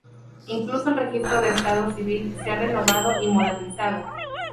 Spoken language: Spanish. Incluso el registro de estado civil, se ha renovado y modernizado.